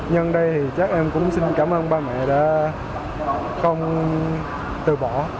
nhân đây thì chắc em cũng xin cảm ơn ba mẹ đã không từ bỏ